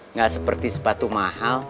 nggak seperti sepatu mahal